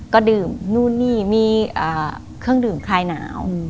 ก็ดื่มนู่นนี่มีเครื่องดื่มคลายหนาว